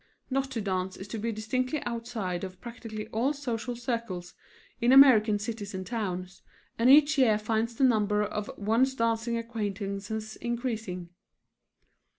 Not to dance is to be distinctly outside of practically all social circles in American cities and towns, and each year finds the number of one's dancing acquaintances increasing.